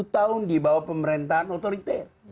empat puluh tahun di bawah pemerintahan otoriter